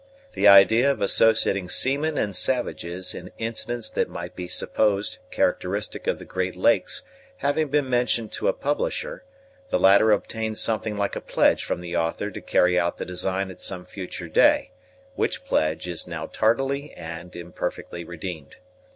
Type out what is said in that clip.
The idea of associating seamen and savages in incidents that might be supposed characteristic of the Great Lakes having been mentioned to a Publisher, the latter obtained something like a pledge from the Author to carry out the design at some future day, which pledge is now tardily and imperfectly redeemed.